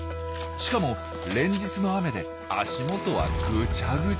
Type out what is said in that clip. しかも連日の雨で足元はぐちゃぐちゃ。